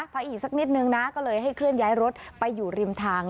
ไปอีกสักนิดนึงนะก็เลยให้เคลื่อนย้ายรถไปอยู่ริมทาง